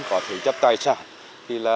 có thể chấp tài sản